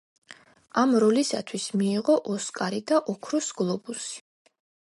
ამ როლისათვის მიიღო ოსკარი და ოქროს გლობუსი.